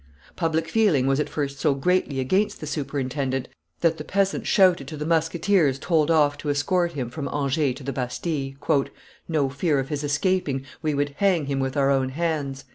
Public feeling was at first so greatly against the superintendent that the peasants shouted to the musketeers told off to escort him from Angers to the Bastille, "No fear of his escaping; we would hang him with our own hands."